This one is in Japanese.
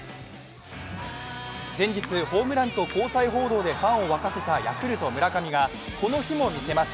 前日、ホームランと交際報道でファンを沸かせたヤクルト・村上がこの日も見せます。